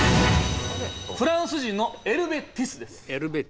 フランス人のエルヴェ・ティスです。